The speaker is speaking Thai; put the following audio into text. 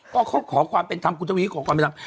ก็เขาขอความเป็นธรรมคุณทวีขอความเป็นธรรม